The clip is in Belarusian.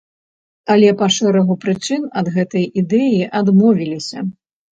Але па шэрагу прычын ад гэтай ідэі адмовіліся.